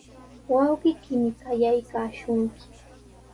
Wawqiykimi qayaykaashunki.